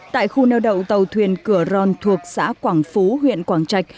tại khu neo đậu tàu thuyền cửa ron thuộc xã quảng phú huyện quảng trạch